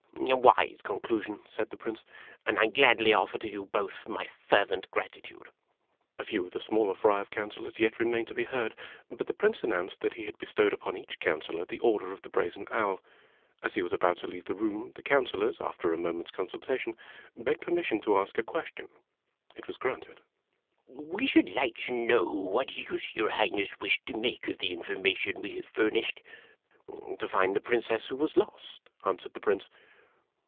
"A wise conclusion," said the Prince; "and I gladly offer to you both my fervent gratitude." A few of the smaller fry of Councilors yet remained to be heard, / /^F/rM. Lggg> ^ ~J ;' THE PAGE AND THE MAID OF HONOR KEEP A CANDY STORE. 148 IMAGINOTIONS but the Prince announced that he had bestowed upon each councilor The Order of the Brazen Owl. As he was about to leave the room, the Councilors, after a moment's consultation, begged permission to ask a question. It was granted. "We should like to know what use Your Highness wished to o make of the information we have furnished ?"" To find the Princess who was lost," answered the Prince.